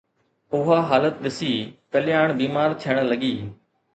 اها حالت ڏسي، ڪلياڻ بيمار ٿيڻ لڳي